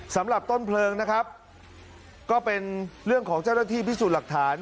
สำหรับต้นเพลิงนะครับก็เป็นเรื่องของเจ้าหน้าที่พิสูจน์หลักฐาน